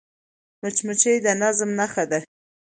مچمچۍ د نظم نښه ده